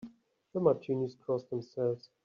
The Martinis cross themselves.